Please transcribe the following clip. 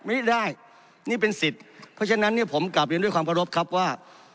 ไม่ได้นี่เป็นสิทธิ์เพราะฉะนั้นเนี่ยผมกลับเรียนด้วยความเคารพครับว่า